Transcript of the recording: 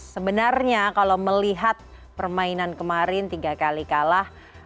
sebenarnya kalau melihat permainan kemarin tiga kali kalah